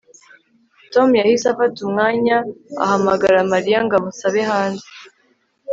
Tom yahise afata umwanya ahamagara Mariya ngo amusabe hanze